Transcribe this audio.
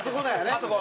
あそこ。